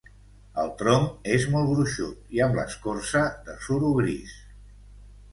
El tronc és molt gruixut i amb l'escorça de suro gris.